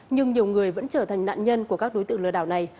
nhưng nhiều người vẫn trở thành nạn nhân của các đối tượng lừa đảo này